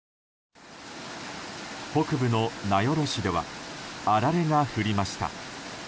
北部の名寄市ではあられが降りました。